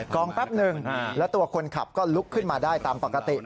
องแป๊บหนึ่งแล้วตัวคนขับก็ลุกขึ้นมาได้ตามปกติ